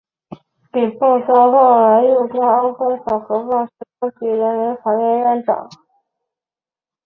李奉三后来又调任安徽省蚌埠市中级人民法院院长。